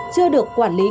chưa được cấp phép lưu hành